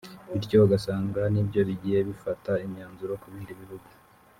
bityo ugasanga nibyo bigiye bifata imyanzuro ku bindi bihugu